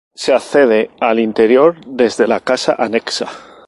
Se accede al interior desde la casa anexa.